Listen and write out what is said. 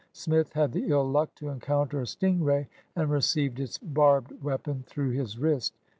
Smith had the ill luck to encounter a sting ray, and received its barbed weapon through his wrist.